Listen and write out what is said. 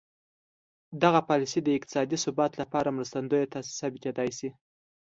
دغه پالیسي د اقتصادي ثبات لپاره مرستندویه ثابتېدای شي.